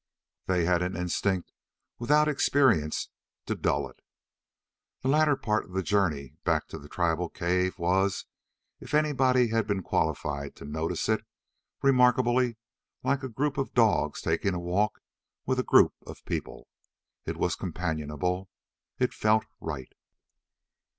They had an instinct without experience to dull it. The latter part of the journey back to the tribal cave was if anybody had been qualified to notice it remarkably like a group of dogs taking a walk with a group of people. It was companionable. It felt right.